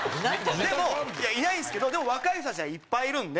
いないですけどでも若い人たちはいっぱいいるので。